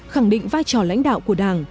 khẳng định vai trò lãnh đạo của đảng